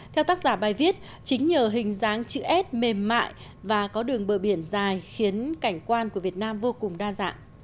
theo tác giả bài viết chính nhờ hình dáng chữ s mềm mại và có đường bờ biển dài khiến cảnh quan của việt nam rất đẹp